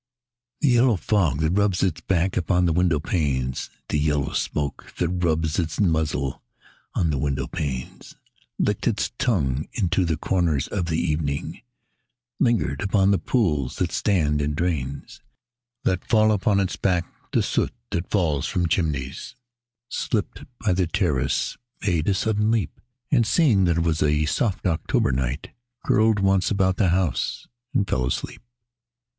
The yellow fog that rubs its back upon the window panes, The yellow smoke that rubs its muzzle on the window panes, Licked its tongue into the corners of the evening, Lingered upon the pools that stand in drains, Let fall upon its back the soot that falls from chimneys, Slipped by the terrace, made a sudden leap, And seeing that it was a soft October night, Curled once about the house, and fell asleep.